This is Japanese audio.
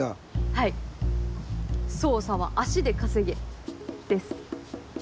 はい「捜査は足で稼げ」です。